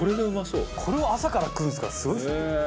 「これを朝から食うんですからすごいですね」